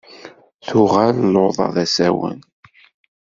Tuɣal luḍa d asawen.